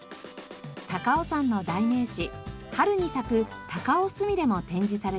高尾山の代名詞春に咲くタカオスミレも展示されています。